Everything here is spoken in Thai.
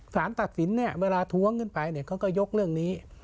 สารตัดสินเวลาทวงขึ้นไปก็ยกเรื่องนี้